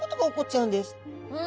うん？